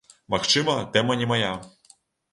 Магчыма, тэма не мая.